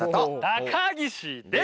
高岸です！